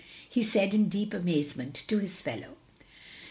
he said in deep amazement to his fellow.